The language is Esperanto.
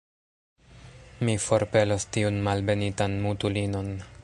Mi forpelos tiun malbenitan mutulinon!